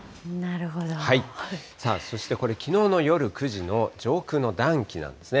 さあそして、これ、きのう夜９時の上空の暖気なんですね。